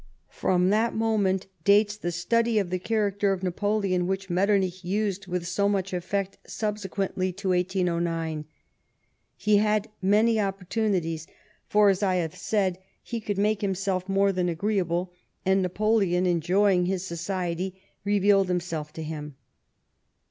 From that moment dates the study of the character of Napoleon which Metternich used with so much effect subse(iuently to 1809. He had many opportunities, for, as I have said, he could make himself more than agree able, and Napoleon, enjoying his society, revealed himself to him.